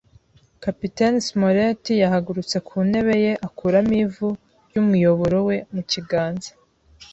Kapiteni Smollett yahagurutse ku ntebe ye, akuramo ivu ry'umuyoboro we mu kiganza